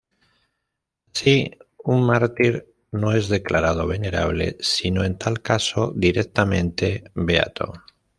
Así, un mártir no es declarado Venerable, sino, en tal caso, directamente beato.